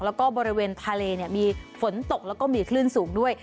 แล้วก็บริเวณทะเลมีฝนตกแล้วก็มีคลื่นสูงด้วย